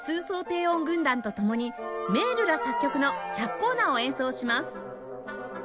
低音軍団と共にメールラ作曲の『チャッコーナ』を演奏します